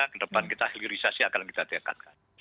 ke depan kita hilirisasi akan kita tegakkan